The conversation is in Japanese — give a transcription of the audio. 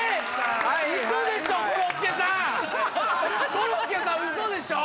コロッケさんウソでしょ